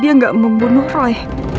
dia gak mau bunuh roy